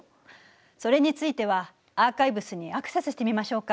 それについてはアーカイブスにアクセスしてみましょうか。